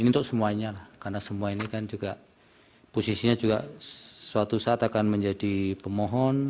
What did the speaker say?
ini untuk semuanya lah karena semua ini kan juga posisinya juga suatu saat akan menjadi pemohon